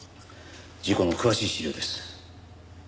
事故の詳しい資料です。